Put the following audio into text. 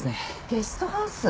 ゲストハウス？